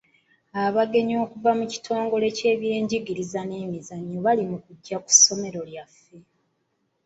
Abagenyi okuva mu kitongole ky'ebyenjigiriza n'emizannyo bali mu kujja ku ssomero lyaffe.